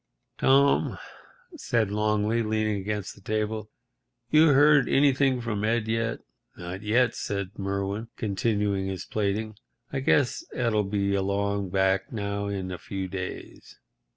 "Tom," said Longley, leaning against the table, "you heard anything from Ed yet?" "Not yet," said Merwin, continuing his plaiting. "I guess Ed'll be along back now in a few days."